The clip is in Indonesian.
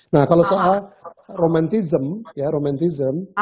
nah kalau soal romantism ya romantism